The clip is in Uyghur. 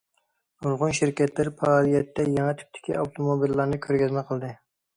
نۇرغۇن شىركەتلەر پائالىيەتتە يېڭى تىپتىكى ئاپتوموبىللارنى كۆرگەزمە قىلدى.